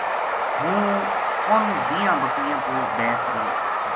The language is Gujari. ہوں اُن بیہاں بکریاں پو بیس رِہیو